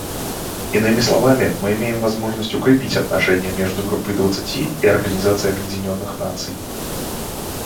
Иными словами, мы имеем возможность укрепить отношения между Группой двадцати и Организацией Объединенных Наций.